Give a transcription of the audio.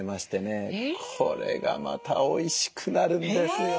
これがまたおいしくなるんですよ。